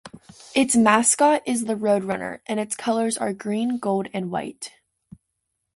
Its mascot is the roadrunner, and its colors are green, gold, and white.